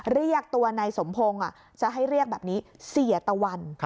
เรียกตัวนายสมพงศ์จะให้เรียกแบบนี้เสียตะวัน